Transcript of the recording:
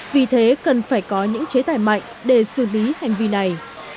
vì thế cần phải có những chế tài mạnh để xử lý hành vi này